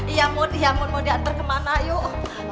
iya mun iya mun mau diantar kemana yuk